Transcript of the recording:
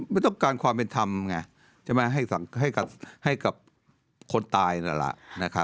ไม่ต้องการความเป็นธรรมไงใช่ไหมให้กับคนตายนั่นแหละ